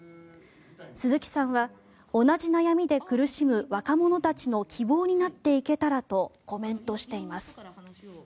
鈴木さんは同じ悩みで苦しむ若者たちの希望になっていけたらとコメントしています。